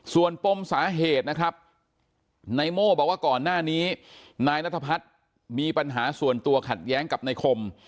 ส่วนปมสาเหตุนะครับนายโม่บอกว่าก่อนหน้านี้นายนัทพัฒน์มีปัญหาส่วนตัวขัดแย้งกับนายคม